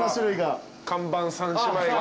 看板３姉妹が。